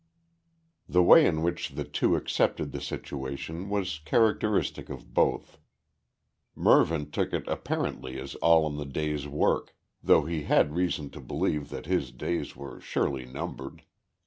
The way in which the two accepted the situation was characteristic of both. Mervyn took it apparently as all in the day's work, though he had reason to believe that his days were surely numbered.